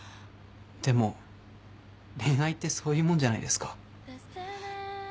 でも恋愛ってそういうもんじゃないですか。